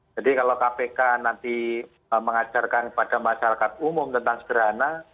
jadi kalau kpk nanti mengajarkan kepada masyarakat umum tentang sederhana